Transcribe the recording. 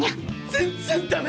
全然ダメ！